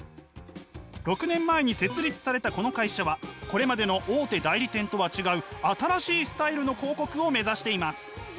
６年前に設立されたこの会社はこれまでの大手代理店とは違う新しいスタイルの広告を目指しています。